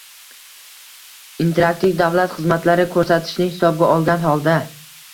“Interaktiv davlat xizmatlari ko‘rsatishni hisobga olgan holda